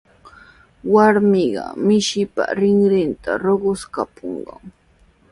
Warmiqa mishinpa rinrinta ruquskapurqan.